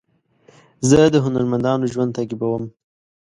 زه د هنرمندانو ژوند تعقیبوم.